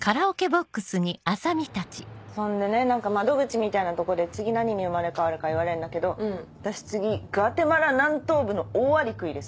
そんでね何か窓口みたいなとこで次何に生まれ変わるか言われんだけど私次グアテマラ南東部のオオアリクイでさ。